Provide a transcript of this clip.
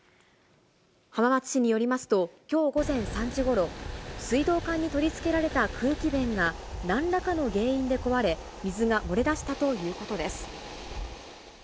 浜松市によりますと、きょう午前３時ごろ、水道管に取り付けられた空気弁がなんらかの原因で壊れ、水が漏れ出したということです。